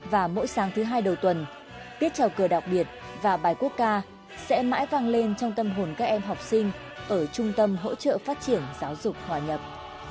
và mỗi sáng thứ hai đầu tuần tiết trào cờ đặc biệt và bài quốc ca sẽ mãi vang lên trong tâm hồn các em học sinh ở trung tâm hỗ trợ phát triển giáo dục hòa nhập